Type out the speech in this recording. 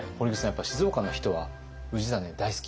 やっぱり静岡の人は氏真大好き？